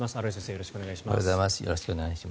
よろしくお願いします。